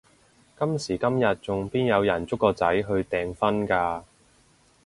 今時今日仲邊有人捉個仔去訂婚㗎？